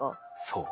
そう。